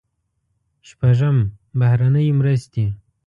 شپږم: بهرنۍ مرستې.